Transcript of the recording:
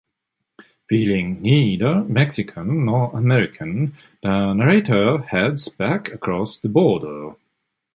Feeling neither Mexican nor American the narrator heads back across the border.